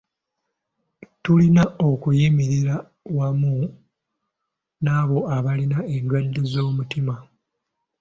Tulina okuyimirira wamu n'abo abalina endwadde z'omutima